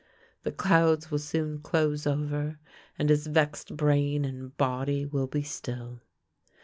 The clouds will soon close over, and his vexed brain and body will be still.